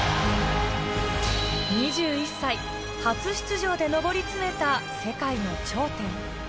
２１歳、初出場でのぼりつめた世界の頂点。